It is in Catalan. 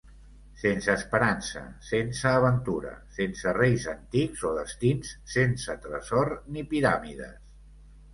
Sense esperança, sense aventura, sense reis antics o destins, sense tresor ni piràmides.